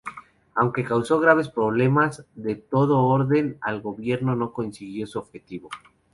Aunque causó graves problemas de todo orden al gobierno, no consiguió su objetivo.